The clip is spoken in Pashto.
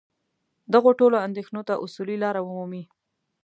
دغو ټولو اندېښنو ته اصولي لاره ومومي.